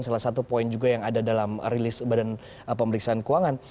salah satu poin juga yang ada dalam rilis badan pemeriksaan keuangan